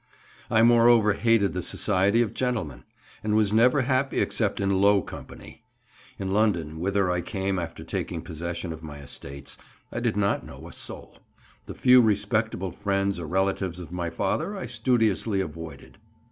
I moreover hated the society of gentlemen, and was never happy except in low company. In London, whither I came after taking possession of my estates, I did not know a soul; the few respectable friends or relatives of my father I studiously avoided.